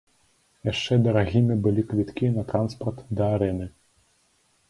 Яшчэ дарагімі былі квіткі на транспарт да арэны.